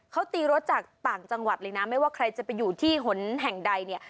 เขาตีรถจากต่างจังหวัดเลยนะไม่ว่าใครจะไปอยู่ที่หนแห่งใดเนี่ย